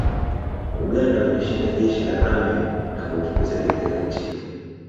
Uganda walishinda jeshi la Amin na kumfukuza dikteta nchini